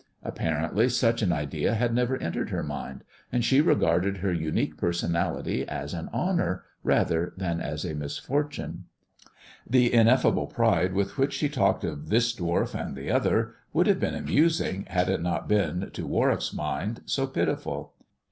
Apparently such an idea had never entered her mind, and she regarded her unique personality as an honour rather than as a misfortune. k 48 THE dwarf's chamber The ineffable pride with which she talked of this dwarf and the other would have been amusing, had it not been, to Warwick's mind, so pitiful.